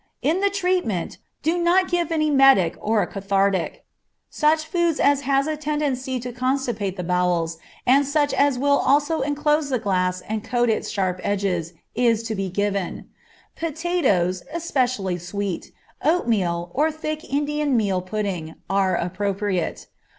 In the treatment do not give an emetic or a cathartic. Such food as has a tendency to constipate the bowels, and such as will also enclose the glass and coat its sharp edges, is to be given. Potatoes, especially sweet, oatmeal, or thick indian meal pudding, are appropriate.